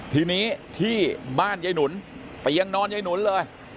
ทีนี้ที่บ้านยายหนุนเตียงนอนยายหนุนเลย